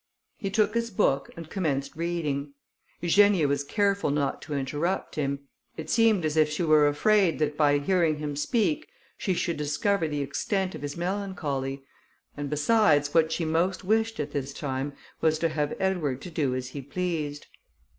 He took his book, and commenced reading. Eugenia was careful not to interrupt him; it seemed as if she were afraid, that by hearing him speak, she should discover the extent of his melancholy; and, besides, what she most wished at this time, was to have Edward to do as he pleased.